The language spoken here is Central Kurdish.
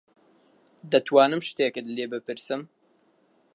دەتوانم شتێکت لێ بپرسم؟